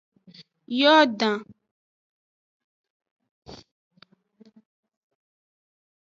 Yordan.